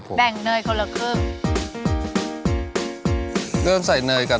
เปิดเตาก่อน